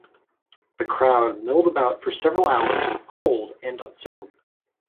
The crowd milled about for several hours, cold and uncertain.